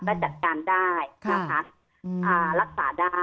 และจัดการได้รักษาได้